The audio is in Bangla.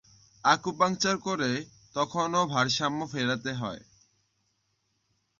আকুপাঙ্কচার করে তখন এ ভারসাম্য ফেরাতে হয়।